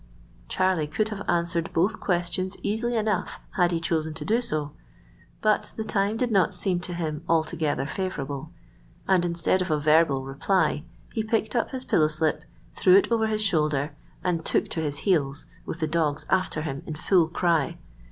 Charlie could have answered both questions easily enough had he chosen to do so. But the time did not seem to him altogether favourable, and instead of a verbal reply he picked up his pillow slip, threw it over his shoulder, and took to his heels, with the dogs after him in full cry.